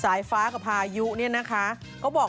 สายฟ้ากับภายุนี่นะคะ